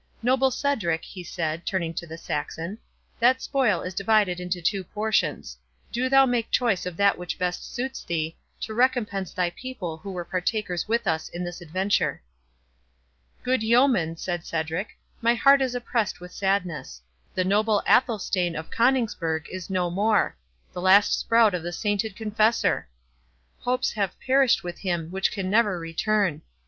—Noble Cedric," he said, turning to the Saxon, "that spoil is divided into two portions; do thou make choice of that which best suits thee, to recompense thy people who were partakers with us in this adventure." "Good yeoman," said Cedric, "my heart is oppressed with sadness. The noble Athelstane of Coningsburgh is no more—the last sprout of the sainted Confessor! Hopes have perished with him which can never return!